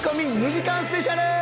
２時間スペシャル！